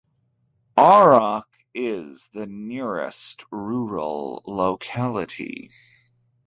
Arak is the nearest rural locality.